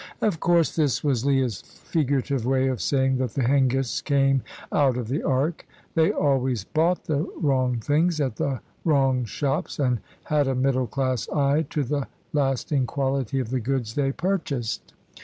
Of course, this was Leah's figurative way of saying that the Hengists came out of the Ark. They always bought the wrong things at the wrong shops, and had a middle class eye to the lasting quality of the goods they purchased.